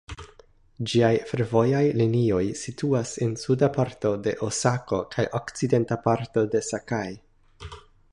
Ĝiaj fervojaj linioj situas en suda parto de Osako kaj okcidenta parto de Sakai.